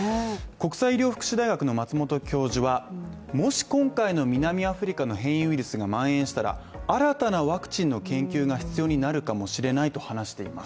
国際医療福祉大学の松本教授はもし今回の南アフリカの変異ウイルスが蔓延したら、新たなワクチンの研究が必要になるかもしれないと話しています。